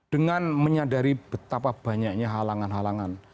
dengan menyadari betapa banyaknya halangan halangan